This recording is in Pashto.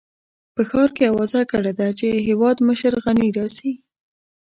په ښار کې اوازه ګډه ده چې هېوادمشر غني راځي.